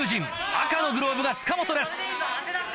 赤のグローブが塚本です。